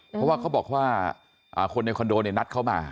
เพราะว่าเขาบอกว่าคนในคอนโดเนี่ยนัดเขามา